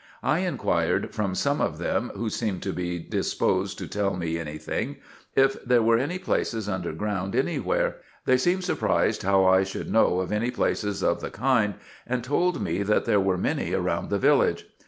I inquired from some of them, who seemed to be disposed to tell me any thing, if there were any places under ground any where : they seemed surprised how I should know of any places of the kind, and told me that there were many round the village.